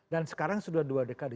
dan sekarang sudah dua dekade